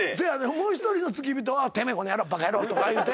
もう１人の付き人は「てめえこの野郎バカ野郎」とか言うて。